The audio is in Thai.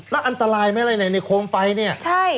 มันอันตรายไม่ไหมในโครงไฟนี่